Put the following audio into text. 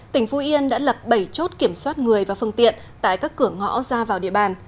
tỉnh phú yên đã lập bảy chốt kiểm soát người và phương tiện tại các cửa ngõ ra vào địa bàn